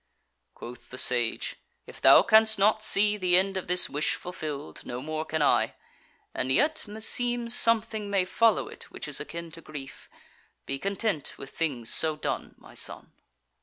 Quoth the Sage: "If thou canst not see the end of this wish fulfilled, no more can I. And yet, meseems something may follow it which is akin to grief: be content with things so done, my son."